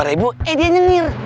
eh dia nyemir